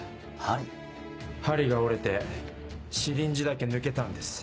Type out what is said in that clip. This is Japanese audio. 針が折れてシリンジだけ抜けたんです。